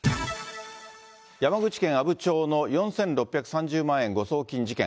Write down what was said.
山口県阿武町の４６３０万円誤送金事件。